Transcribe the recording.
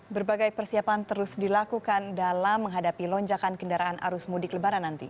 berbagai persiapan terus dilakukan dalam menghadapi lonjakan kendaraan arus mudik lebaran nanti